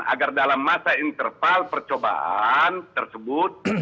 agar dalam masa interval percobaan tersebut